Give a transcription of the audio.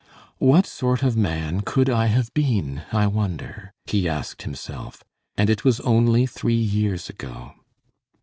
"What sort of man could I have been, I wonder?" he asked himself; "and it was only three years ago."